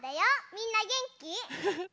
みんなげんき？